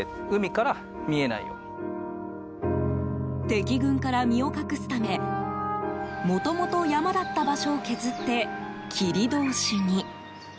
敵軍から身を隠すためもともと山だった場所を削って切り通しに。